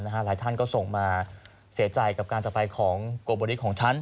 หลายท่านก็ส่งมาเสียใจกับการจักรไปของโกโบริกของฉัน